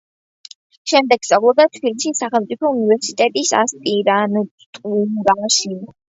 შემდეგ სწავლობდა თბილისის სახელმწიფო უნივერსიტეტის ასპირანტურაში.